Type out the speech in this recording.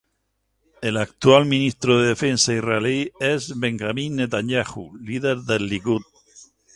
El actual Ministro de Defensa Israelí es Benjamín Netanyahu, líder del Likud.